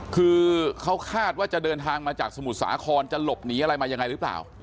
คือเขาคาดว่าจะเดินทางมาจากสมุทรสาครจะหลบหนีอะไรมายังไงหรือเปล่า